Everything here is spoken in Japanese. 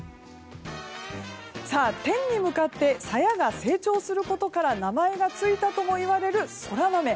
天に向かってサヤが成長することから名前がついたともいわれる空豆。